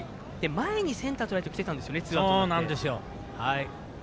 前にセンターとライトきていたんですよねツーアウトから。